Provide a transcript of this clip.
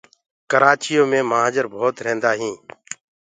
ڪرآچِيو مي مهآجر ڀوت ريهنٚدآ هينٚ